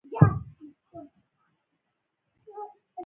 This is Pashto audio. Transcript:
ژوندي له عقل نه کار اخلي